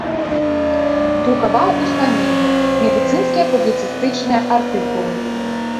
Друкаваў успаміны, медыцынскія публіцыстычныя артыкулы.